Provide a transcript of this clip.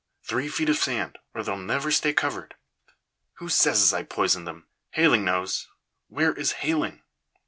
Three feet of sand, or they'll never stay covered. Who says as I poisoned them? Hayling knows. Where is Hayling?"